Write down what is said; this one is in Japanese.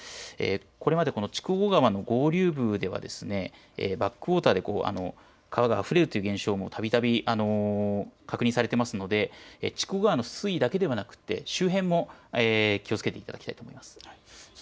これまでこの筑後川の上流部ではバックウォーターで川があふれるという現象がたびたび確認されているので筑後川の水位だけではなくて周辺も気をつけていただきたいと思います。